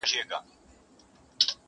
کارګه څوک دی چي پنیر په توره خوله خوري،